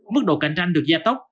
mức độ cạnh tranh được gia tốc